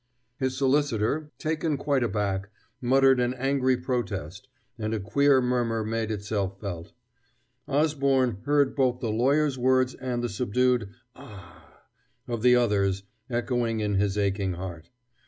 His solicitor, taken quite aback, muttered an angry protest, and a queer murmur made itself felt. Osborne heard both the lawyer's words and the subdued "Ah!" of the others echoing in his aching heart.